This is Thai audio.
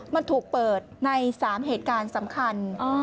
มันถูกเปิดใน๓เหตุการณ์สำคัญ